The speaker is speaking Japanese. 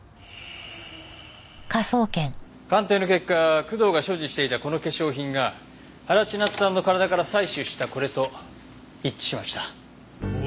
鑑定の結果工藤が所持していたこの化粧品が原千夏さんの体から採取したこれと一致しました。